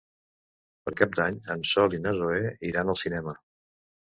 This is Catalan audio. Per Cap d'Any en Sol i na Zoè iran al cinema.